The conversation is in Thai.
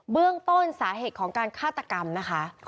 เรื่องต้นสาเหตุของการฆาตกรรมนะคะ